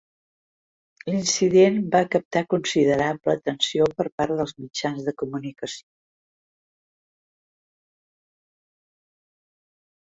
L'incident va captar considerable atenció per part dels mitjans de comunicació.